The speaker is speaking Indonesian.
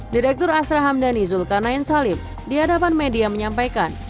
direktur astra hamdani zulkarnain salim di hadapan media menyampaikan